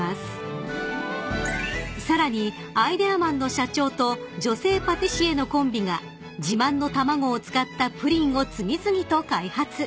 ［さらにアイデアマンの社長と女性パティシエのコンビが自慢の卵を使ったプリンを次々と開発］